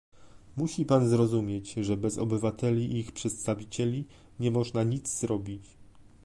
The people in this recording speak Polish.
Musi pan zrozumieć, że bez obywateli i ich przedstawicieli nie można nic zrobić